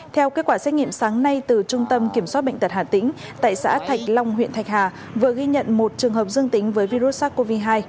theo kết quả xét nghiệm sáng nay từ trung tâm kiểm soát bệnh tật hà tĩnh tại xã thạch long huyện thạch hà vừa ghi nhận một trường hợp dương tính với virus sars cov hai